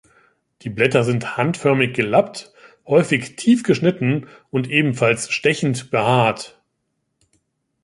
Die Blätter sind handförmig gelappt, häufig tief geschnitten und ebenfalls stechend behaart.